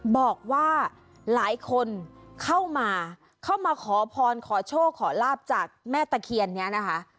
บอกว่าหลายคนเข้ามาเข้ามาขอพรขอโชคขอลาบจากแม่ตะเคียนนี้นะคะ